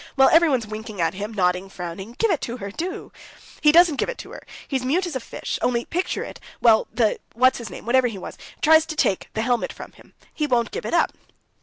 Well, everyone's winking at him, nodding, frowning—give it to her, do! He doesn't give it to her. He's mute as a fish. Only picture it!... Well, the ... what's his name, whatever he was ... tries to take the helmet from him ... he won't give it up!...